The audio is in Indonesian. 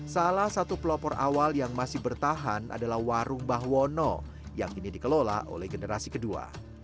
salah satu pelopor awal yang masih bertahan adalah warung bahwono yang kini dikelola oleh generasi kedua